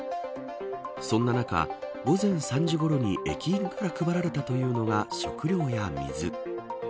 そんな中午前３時ごろに駅員から配られたというのが食料や水。